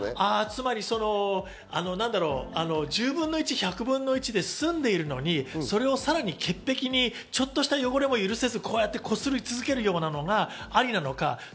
なんだろう、１０分の１、１００分の１で住んでいるのに、それをさらに潔癖に、ちょっとした汚れも許せず、こうやってこすり続けるようなのがありなのか。